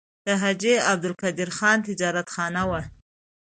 د حاجي عبدالقدیر خان تجارتخانه وه.